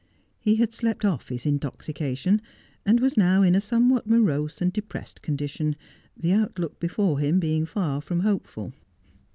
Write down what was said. He had slept off his intoxication, and was now in a some what morose and depressed condition, the outlook before him beiDg far from hopeful.